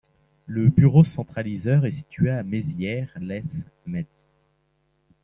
Le bureau centralisateur est situé à Maizières-lès-Metz.